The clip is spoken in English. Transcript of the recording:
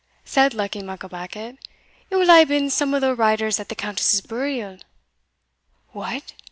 said Luckie Mucklebackit, "it will hae been some o' the riders at the Countess's burial." "What!"